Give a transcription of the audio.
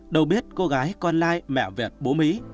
đâu biết cô gái con lai mẹ việt bố mỹ